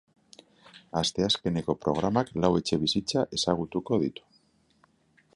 Asteazkeneko programak lau etxebizitza ezagutuko ditu.